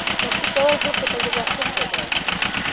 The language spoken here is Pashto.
شخصي کول خلکو ته زړه راښکونکی دی.